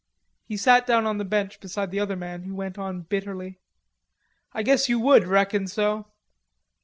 He sat down on the bench beside the other man who went on bitterly: "I guess you would reckon so....